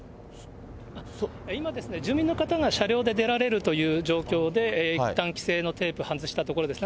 今、住民の方が車両で出られるという状況で、いったん規制のテープ、外したところですね。